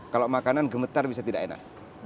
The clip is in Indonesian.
kalau makanan gemetar bisa tidak enak